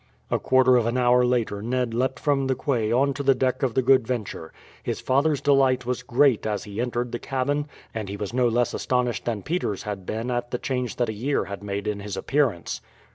A quarter of an hour later Ned leapt from the quay on to the deck of the Good Venture. His father's delight was great as he entered the cabin, and he was no less astonished than Peters had been at the change that a year had made in his appearance.